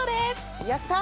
やったー！